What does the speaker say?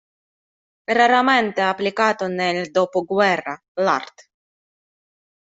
Raramente applicato nel dopoguerra, l'art.